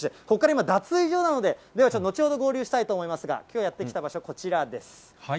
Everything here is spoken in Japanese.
ここからは脱衣所なので、後ほど合流したいと思いますが、きょうやって来た場所、こちらです。